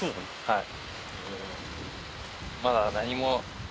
はい。